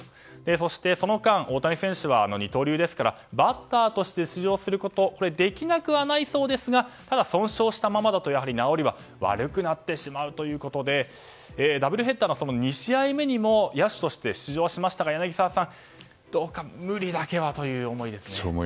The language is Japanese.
そして、その間大谷選手は二刀流ですからバッターとして出場することできなくはないそうですがただ、損傷したままだと治りは悪くなってしまうということでダブルヘッダーの２試合目にも野手として出場しましたが柳澤さん、どうか無理だけはそう思います。